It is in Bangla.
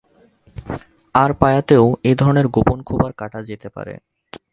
আর পায়াতেও এই ধরনের গোপন খোপার কাটা যেতে পারে।